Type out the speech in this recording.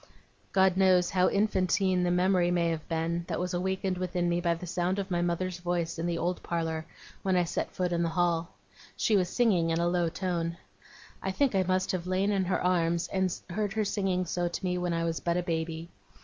God knows how infantine the memory may have been, that was awakened within me by the sound of my mother's voice in the old parlour, when I set foot in the hall. She was singing in a low tone. I think I must have lain in her arms, and heard her singing so to me when I was but a baby.